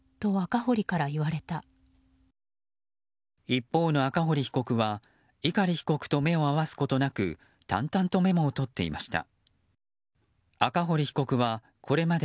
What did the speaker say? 一方の赤堀被告は碇被告と目を合わすことなく淡々とメモを取っていました。